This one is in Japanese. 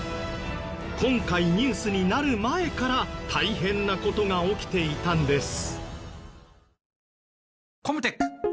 今回ニュースになる前から大変な事が起きていたんです。